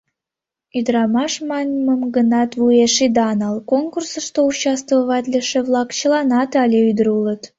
Ӱдырамаш маньым гынат, вуеш ида нал, конкурсышто участвоватлыше-влак чыланат але ӱдыр улыт.